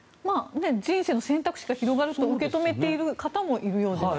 人生の選択肢が広がると受け止めている方もいるようですね。